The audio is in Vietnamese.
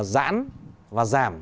giãn và giảm